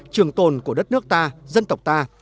trường tồn của đất nước ta dân tộc ta